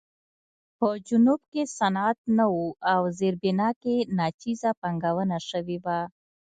په جنوب کې صنعت نه و او زیربنا کې ناچیزه پانګونه شوې وه.